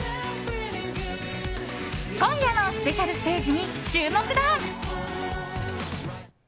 今夜のスペシャルステージに注目だ。